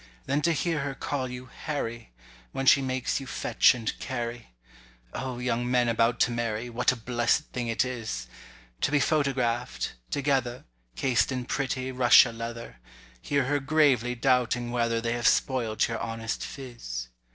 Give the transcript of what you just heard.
Then to hear her call you "Harry," when she makes you fetch and carry— O young men about to marry, what a blessed thing it is! To be photograph'd—together—cased in pretty Russia leather— Hear her gravely doubting whether they have spoilt your honest phiz!